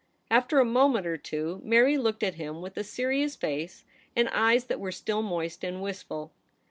After a moment or two, Mary looked at him with a serious face and eyes that were still moist and wistful.